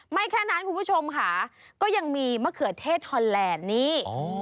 แค่นั้นคุณผู้ชมค่ะก็ยังมีมะเขือเทศฮอนแลนด์นี้